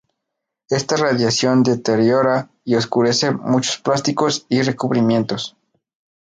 Esta radiación deteriora y oscurece muchos plásticos y recubrimientos.